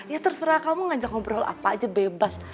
ya terserah kamu ngajak ngobrol apa aja bebas